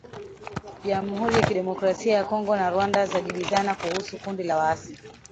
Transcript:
Jamhuri ya Kidemokrasia ya Kongo na Rwanda zajibizana kuhusu kundi la waasi